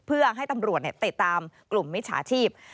เพื่อให้ตำรวจติดตามกลุ่มมิจฉาชีพ